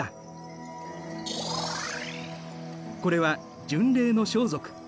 これは巡礼の装束。